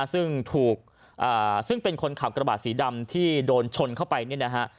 ซึ่งถูกซึ่งเป็นคนขับกระบาดสีดำที่โดนชนเข้าไปเนี่ยนะฮะ